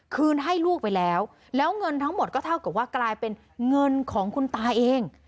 คืนให้ลูกไปแล้วแล้วเงินทั้งหมดก็เท่ากับว่ากลายเป็นเงินของคุณตาเอง